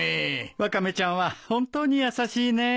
ワカメちゃんは本当に優しいね。